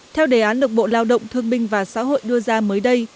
theo đề án được bộ lao động thương binh và xã hội đưa ra mới đây